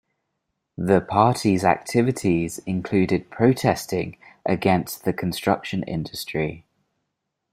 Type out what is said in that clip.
The party's activities included protesting against the construction industry.